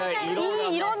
いい色味！